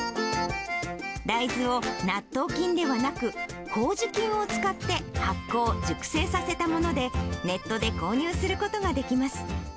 大豆を、納豆菌ではなく、こうじ菌を使って発酵・熟成させたもので、ネットで購入することができます。